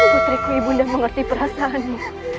putriku ibu nek mengerti perasaanmu